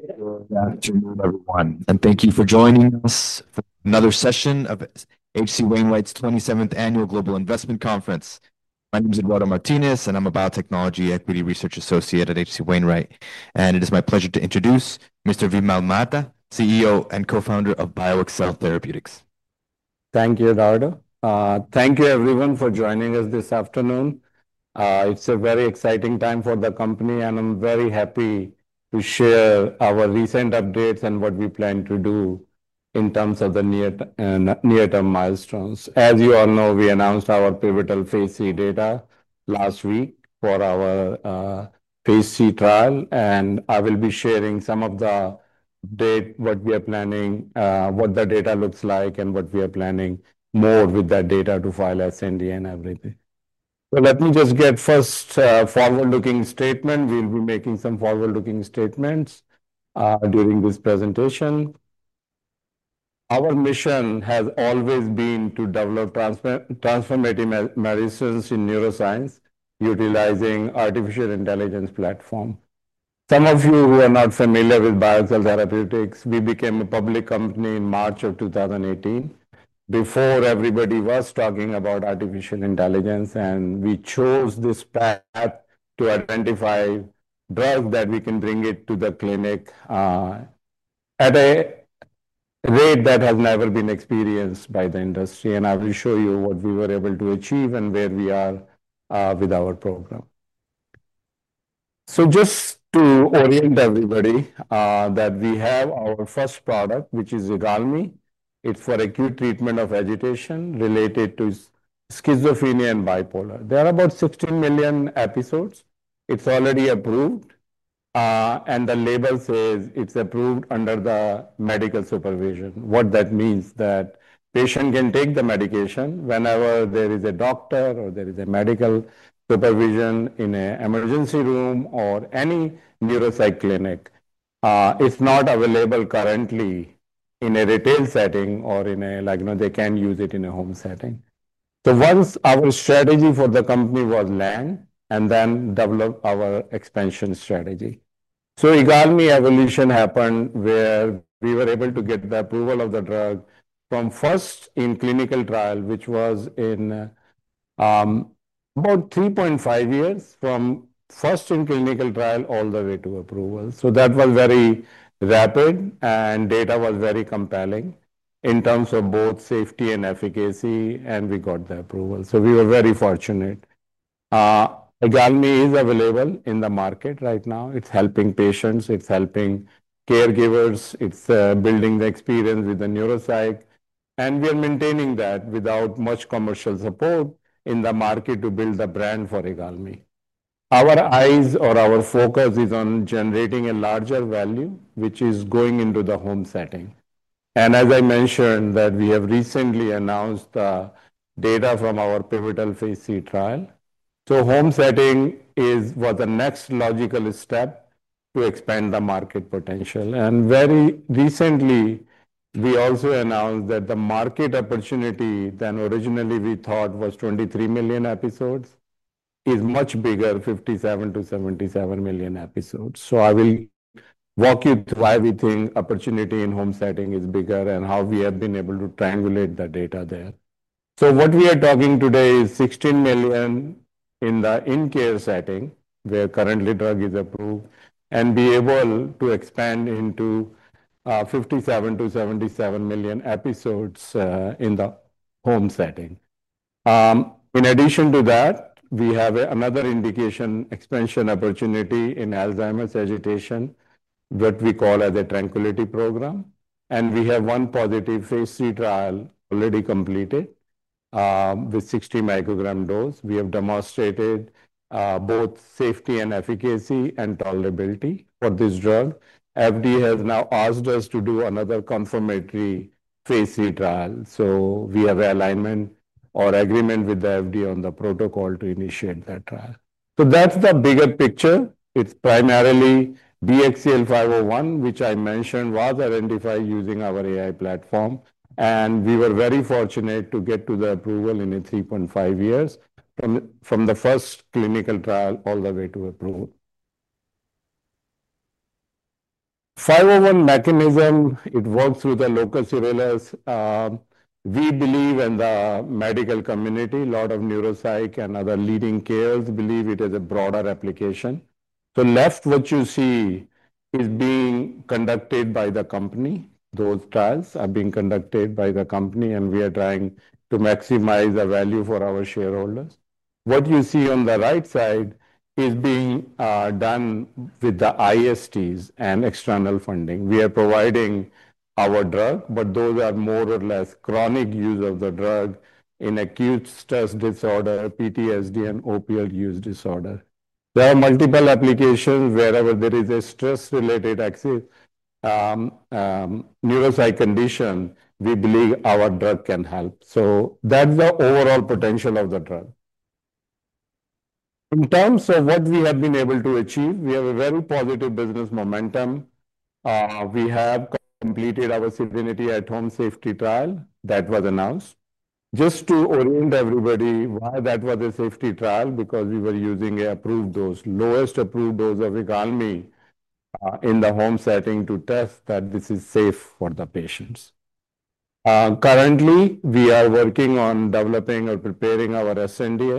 Good afternoon, everyone, and thank you for joining us for another session of HC Wainwright's 27th Annual Global Investment Conference. My name is Eduardo Martinez, and I'm a Biotechnology Equity Research Associate at HC Wainwright. It is my pleasure to introduce Mr. Vimal Mehta, CEO and Co-Founder of BioXcel Therapeutics. Thank you, Eduardo. Thank you, everyone, for joining us this afternoon. It's a very exciting time for the company, and I'm very happy to share our recent updates and what we plan to do in terms of the near-term milestones. As you all know, we announced our pivotal Phase 3 data last week for our Phase 3 trial, and I will be sharing some of the updates, what we are planning, what the data looks like, and what we are planning more with that data to file sNDA and everything. Let me just get first a forward-looking statement. We'll be making some forward-looking statements during this presentation. Our mission has always been to develop transformative medicines in neuroscience utilizing artificial intelligence platforms. Some of you may not be familiar with BioXcel Therapeutics. We became a public company in March of 2018. Before everybody was talking about artificial intelligence, we chose this path to identify drugs that we can bring to the clinic at a rate that has never been experienced by the industry. I will show you what we were able to achieve and where we are with our program. Just to orient everybody, we have our first product, which is IGALMI. It's for acute treatment of agitation related to schizophrenia and bipolar disorder. There are about 16 million episodes. It's already approved, and the label says it's approved under medical supervision. What that means is that the patient can take the medication whenever there is a doctor or there is medical supervision in an emergency room or any neuropsych clinic. It's not available currently in a retail setting or in a, like, you know, they can use it in a home setting. Once our strategy for the company was landed, we then developed our expansion strategy. IGALMI evolution happened where we were able to get the approval of the drug from first in clinical trial, which was in about 3.5 years, from first in clinical trial all the way to approval. That was very rapid, and data was very compelling in terms of both safety and efficacy, and we got the approval. We were very fortunate. IGALMI is available in the market right now. It's helping patients. It's helping caregivers. It's building the experience with the neuropsych, and we are maintaining that without much commercial support in the market to build the brand for IGALMI. Our eyes or our focus is on generating a larger value, which is going into the home setting. As I mentioned, we have recently announced the data from our pivotal Phase 3 trial. Home setting was the next logical step to expand the market potential. Very recently, we also announced that the market opportunity that originally we thought was 23 million episodes is much bigger, 57 to 77 million episodes. I will walk you through why we think opportunity in home setting is bigger and how we have been able to triangulate the data there. What we are talking today is 16 million in the in-care setting where currently the drug is approved and will be able to expand into 57 to 77 million episodes in the home setting. In addition to that, we have another indication expansion opportunity in Alzheimer's agitation, what we call as a TRANQUILITY program. We have one positive Phase 3 trial already completed with 60 microgram dose. We have demonstrated both safety, efficacy, and tolerability for this drug. FDA has now asked us to do another confirmatory Phase 3 trial. We have an alignment or agreement with the FDA on the protocol to initiate that trial. That's the bigger picture. It's primarily BXCL501, which I mentioned was identified using our artificial intelligence platform, and we were very fortunate to get to the approval in 3.5 years, from the first clinical trial all the way to approval. The 501 mechanism, it works through the local surveillance. We believe in the medical community. A lot of neuropsych and other leading carers believe it has a broader application. The left, what you see, is being conducted by the company. Those trials are being conducted by the company, and we are trying to maximize the value for our shareholders. What you see on the right side is being done with the investigator-sponsored trials and external funding. We are providing our drug, but those are more or less chronic use of the drug in acute stress disorder, PTSD, and opioid use disorder. There are multiple applications wherever there is a stress-related neuropsych condition. We believe our drug can help. That's the overall potential of the drug. In terms of what we have been able to achieve, we have a very positive business momentum. We have completed our SERENITY At-Home safety trial that was announced. Just to orient everybody, why that was a safety trial? Because we were using an approved dose, lowest approved dose of IGALMI in the home setting to test that this is safe for the patients. Currently, we are working on developing or preparing our sNDA,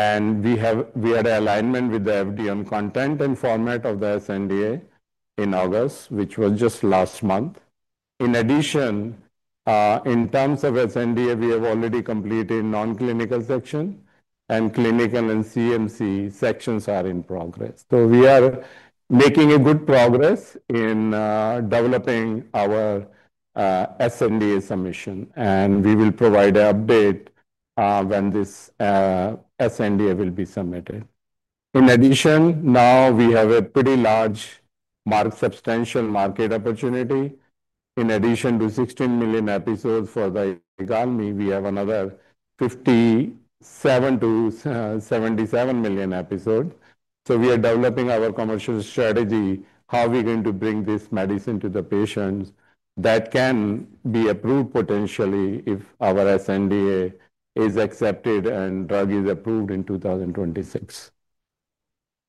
and we had an alignment with the FDA on content and format of the sNDA in August, which was just last month. In addition, in terms of sNDA, we have already completed the non-clinical section, and clinical and CMC sections are in progress. We are making good progress in developing our sNDA submission, and we will provide an update when this sNDA will be submitted. In addition, now we have a pretty large market, substantial market opportunity. In addition to 16 million episodes for IGALMI, we have another 57 to 77 million episodes. We are developing our commercial strategy, how we're going to bring this medicine to the patients that can be approved potentially if our sNDA is accepted and the drug is approved in 2026.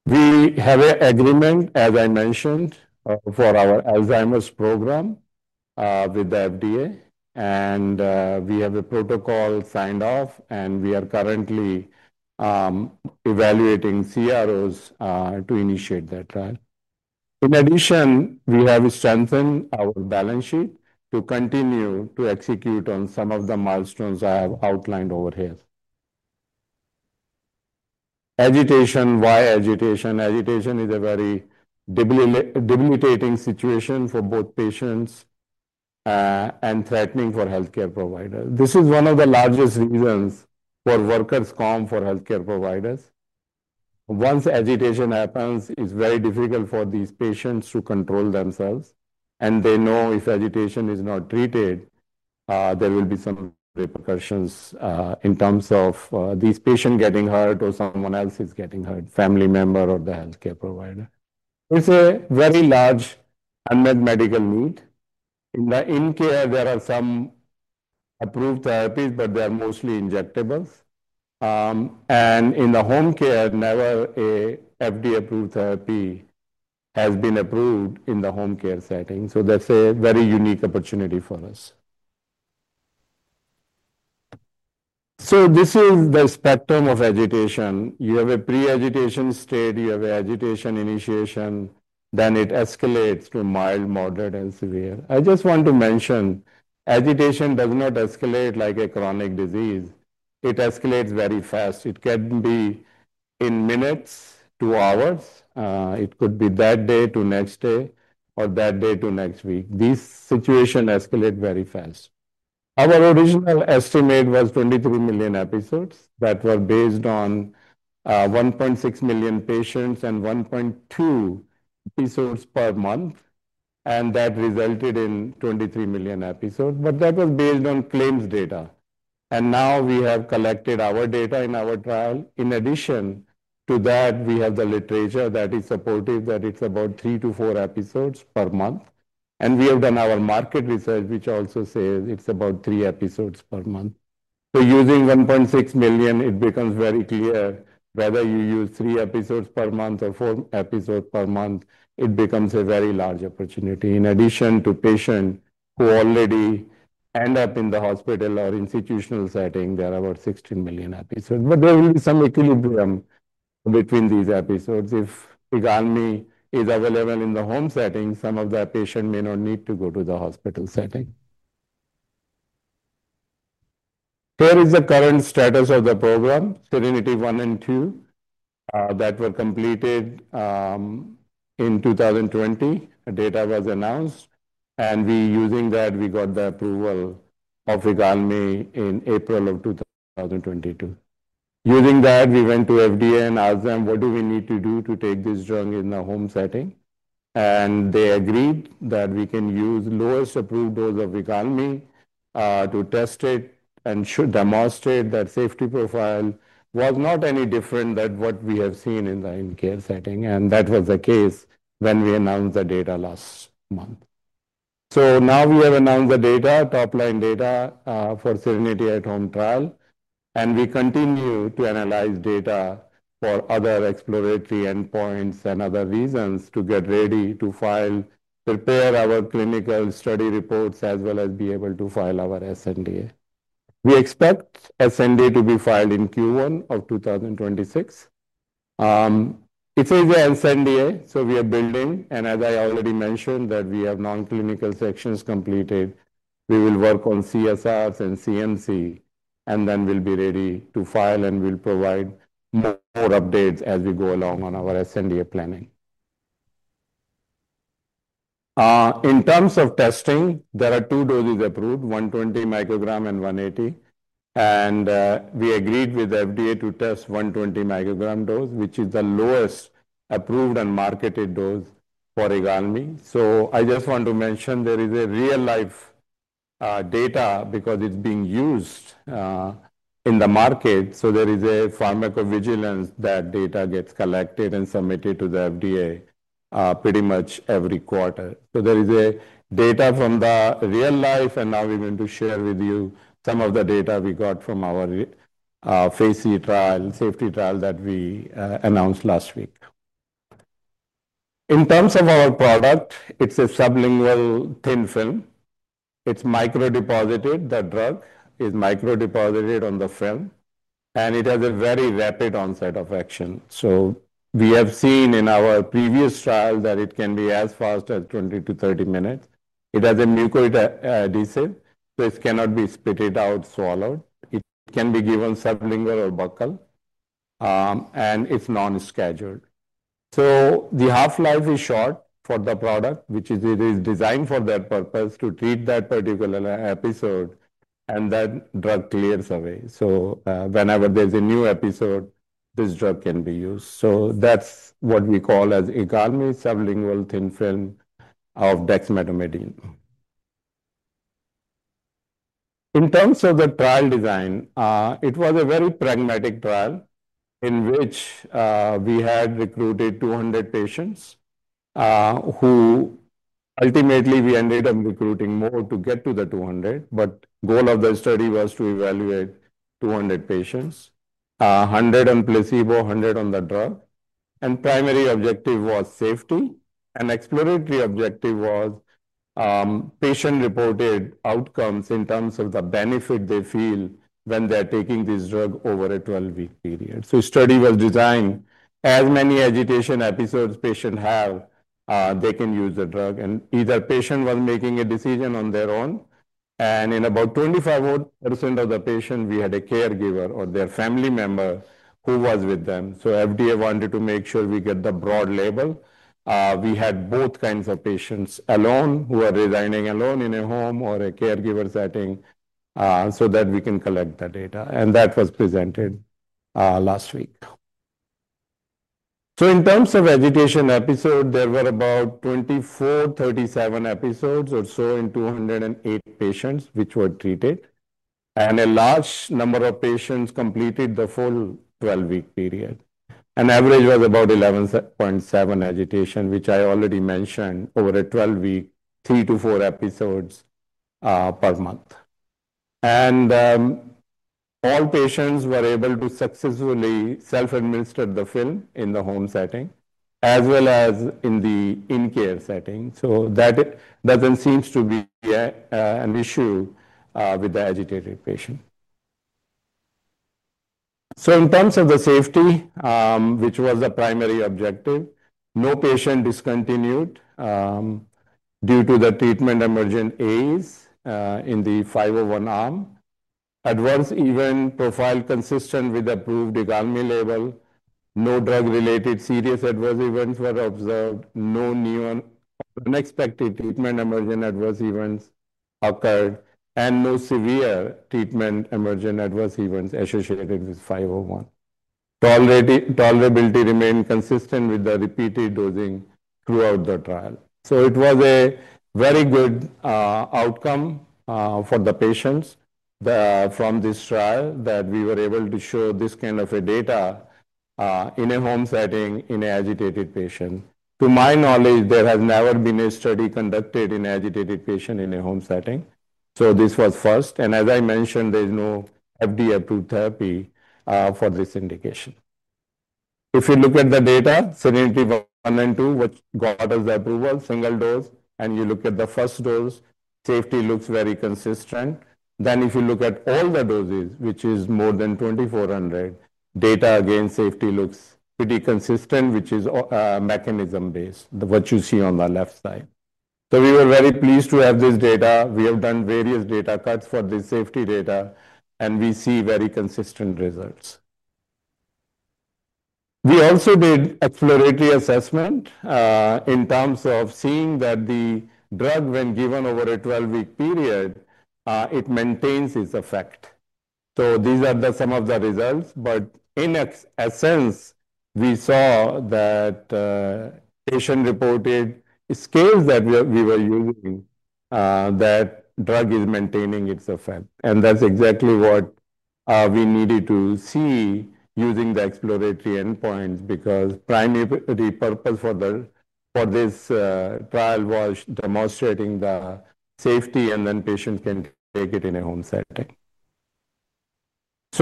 We have an agreement, as I mentioned, for our Alzheimer's program with the FDA, and we have a protocol signed off, and we are currently evaluating CROs to initiate that trial. We have strengthened our balance sheet to continue to execute on some of the milestones I have outlined over here. Agitation. Why agitation? Agitation is a very debilitating situation for both patients and threatening for healthcare providers. This is one of the largest reasons for workers' comp for healthcare providers. Once agitation happens, it's very difficult for these patients to control themselves, and they know if agitation is not treated, there will be some repercussions in terms of these patients getting hurt or someone else is getting hurt, family member or the healthcare provider. It's a very large unmet medical need. In the in-care, there are some approved therapies, but they are mostly injectables. In the home care, never an FDA-approved therapy has been approved in the home care setting. That's a very unique opportunity for us. This is the spectrum of agitation. You have a pre-agitation state. You have an agitation initiation. Then it escalates to mild, moderate, and severe. I just want to mention agitation does not escalate like a chronic disease. It escalates very fast. It can be in minutes to hours. It could be that day to next day or that day to next week. These situations escalate very fast. Our original estimate was 23 million episodes. That was based on 1.6 million patients and 1.2 episodes per month, and that resulted in 23 million episodes. That was based on claims data. Now we have collected our data in our trial. In addition to that, we have the literature that is supportive that it's about 3 to 4 episodes per month. We have done our market research, which also says it's about 3 episodes per month. Using 1.6 million, it becomes very clear whether you use 3 episodes per month or 4 episodes per month. It becomes a very large opportunity. In addition to patients who already end up in the hospital or institutional setting, there are about 16 million episodes. There will be some equilibrium between these episodes. If IGALMI is available in the home setting, some of the patients may not need to go to the hospital setting. Here is the current status of the program, SERENITY I and II, that were completed in 2020. The data was announced, and we are using that. We got the approval of IGALMI in April of 2022. Using that, we went to the FDA and asked them, what do we need to do to take this drug in the home setting? They agreed that we can use the lowest approved dose of IGALMI to test it and demonstrate that the safety profile was not any different than what we have seen in the in-care setting. That was the case when we announced the data last month. Now we have announced the data, top-line data for SERENITY At-Home trial, and we continue to analyze data for other exploratory endpoints and other reasons to get ready to file, prepare our clinical study reports, as well as be able to file our sNDA. We expect sNDA to be filed in Q1 of 2026. It's a sNDA, so we are building. As I already mentioned, we have non-clinical sections completed. We will work on CSRs and CMC, and then we'll be ready to file and we'll provide more updates as we go along on our sNDA planning. In terms of testing, there are two doses approved, 120 micrograms and 180. We agreed with the FDA to test 120 microgram dose, which is the lowest approved and marketed dose for IGALMI. I just want to mention there is real-life data because it's being used in the market. There is a pharmacovigilance that data gets collected and submitted to the FDA pretty much every quarter. There is data from the real life, and now we're going to share with you some of the data we got from our Phase 3 trial, safety trial that we announced last week. In terms of our product, it's a sublingual thin film. It's microdeposited. The drug is microdeposited on the film, and it has a very rapid onset of action. We have seen in our previous trial that it can be as fast as 20 to 30 minutes. It has a mucoadhesive, so it cannot be spit out or swallowed. It can be given sublingual or buccal, and it's non-scheduled. The half-life is short for the product, which is designed for that purpose to treat that particular episode, and that drug clears away. Whenever there's a new episode, this drug can be used. That's what we call as IGALMI sublingual thin film of dexmedetomidine. In terms of the trial design, it was a very pragmatic trial in which we had recruited 200 patients. We ultimately ended up recruiting more to get to the 200, but the goal of the study was to evaluate 200 patients, 100 on placebo, 100 on the drug. The primary objective was safety, and the exploratory objective was patient-reported outcomes in terms of the benefit they feel when they're taking this drug over a 12-week period. The study was designed so as many agitation episodes as patients have, they can use the drug. Either the patient was making a decision on their own, and in about 25% of the patients, we had a caregiver or their family member who was with them. The FDA wanted to make sure we get the broad label. We had both kinds of patients, those residing alone in a home or in a caregiver setting, so that we can collect the data. That was presented last week. In terms of agitation episodes, there were about 2,437 episodes or so in 208 patients which were treated. A large number of patients completed the full 12-week period. The average was about 11.7 agitation episodes, which I already mentioned, over a 12-week period, 3 to 4 episodes per month. All patients were able to successfully self-administer the film in the home setting as well as in the in-care setting. That doesn't seem to be an issue with the agitated patient. In terms of the safety, which was the primary objective, no patient discontinued due to treatment emergent AEs in the BXCL501 arm. Adverse event profile was consistent with the approved IGALMI label. No drug-related serious adverse events were observed. No unexpected treatment emergent adverse events occurred, and no severe treatment emergent adverse events associated with BXCL501. Tolerability remained consistent with the repeated dosing throughout the trial. It was a very good outcome for the patients from this trial that we were able to show this kind of data in a home setting in an agitated patient. To my knowledge, there has never been a study conducted in an agitated patient in a home setting. This was first. As I mentioned, there's no FDA-approved therapy for this indication. If you look at the data, SERENITY I and II, which got us the approval, single dose, and you look at the first dose, safety looks very consistent. If you look at all the doses, which is more than 2,400, data again, safety looks pretty consistent, which is mechanism-based, what you see on the left side. We were very pleased to have this data. We have done various data cuts for this safety data, and we see very consistent results. We also did exploratory assessment in terms of seeing that the drug, when given over a 12-week period, maintains its effect. These are some of the results. In essence, we saw that patients reported scales that we were using, that the drug is maintaining its effect. That's exactly what we needed to see using the exploratory endpoints because the primary purpose for this trial was demonstrating the safety and then patients can take it in a home setting.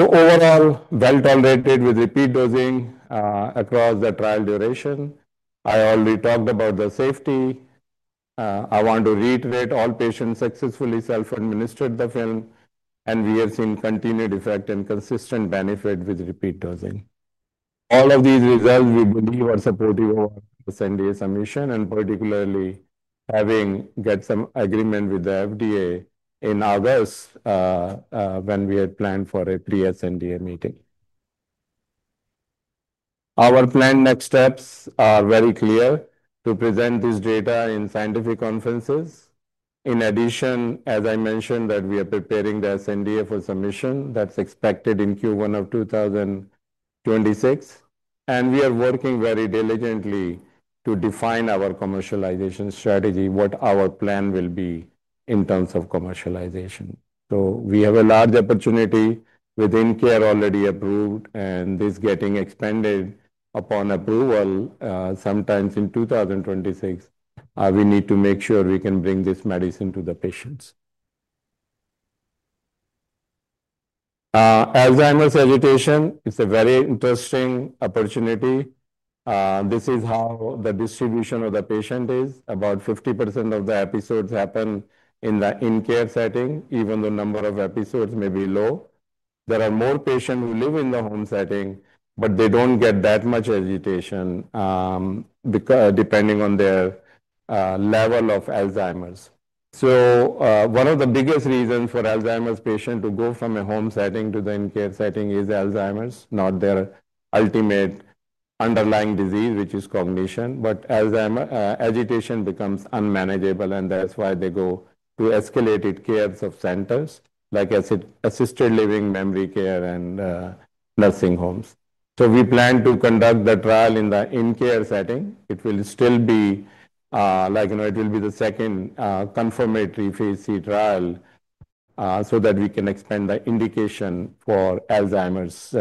Overall, well tolerated with repeat dosing across the trial duration. I already talked about the safety. I want to reiterate, all patients successfully self-administered the film, and we are seeing continued effect and consistent benefit with repeat dosing. All of these results, we believe, are supportive of sNDA submission and particularly having got some agreement with the FDA in August when we had planned for a pre-sNDA meeting. Our planned next steps are very clear to present this data in scientific conferences. In addition, as I mentioned, we are preparing the sNDA for submission that's expected in Q1 of 2026. We are working very diligently to define our commercialization strategy, what our plan will be in terms of commercialization. We have a large opportunity with in-care already approved, and this is getting expanded upon approval sometime in 2026. We need to make sure we can bring this medicine to the patients. Alzheimer's agitation, it's a very interesting opportunity. This is how the distribution of the patient is. About 50% of the episodes happen in the in-care setting, even though the number of episodes may be low. There are more patients who live in the home setting, but they don't get that much agitation depending on their level of Alzheimer's. One of the biggest reasons for Alzheimer's patients to go from a home setting to the in-care setting is Alzheimer's, not their ultimate underlying disease, which is cognition. When agitation becomes unmanageable, that's why they go to escalated cares of centers like assisted living, memory care, and nursing homes. We plan to conduct the trial in the in-care setting. It will still be, like, you know, it will be the second confirmatory Phase 3 trial so that we can expand the indication for Alzheimer's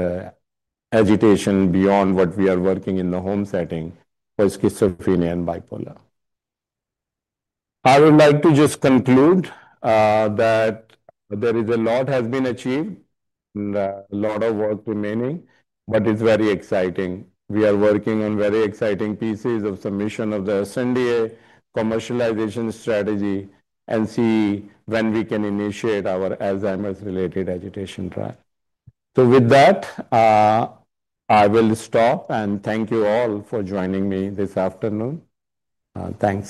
agitation beyond what we are working in the home setting for schizophrenia and bipolar. I would like to just conclude that there is a lot that has been achieved and a lot of work remaining, but it's very exciting. We are working on very exciting pieces of submission of the sNDA commercialization strategy and see when we can initiate our Alzheimer's-related agitation trial. With that, I will stop and thank you all for joining me this afternoon. Thanks.